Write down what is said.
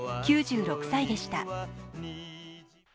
９６歳でした。